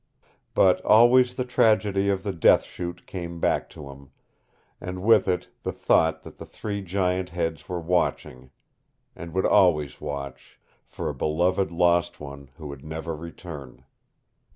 But always the tragedy of the Death Chute came back to him, and with it the thought that the three giant heads were watching and would always watch for a beloved lost one who would never return.